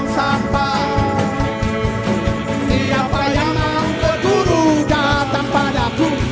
siapa yang mau keturut datang padaku